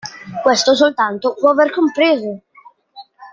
Questo soltanto può aver compreso!